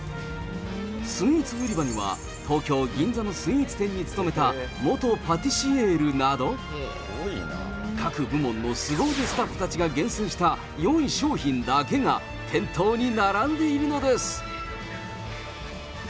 スイーツ売り場には、東京・銀座のスイーツ店に勤めた元パティシエールなど、各部門のすご腕スタッフたちが厳選したよい商品だけが店頭に並んでいるのです。